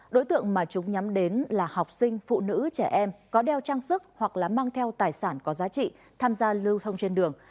đối tượng mà chúng nhắm đến là học sinh phụ nữ trẻ em có đeo trang sức hoặc là mang theo tài sản có giá trị tham gia lưu thông trên đường